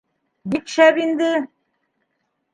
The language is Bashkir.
Бик шәп инде.